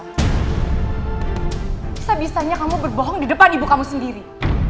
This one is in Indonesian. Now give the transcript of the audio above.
bisa bisanya kamu berbohong di depan ibu kamu sendiri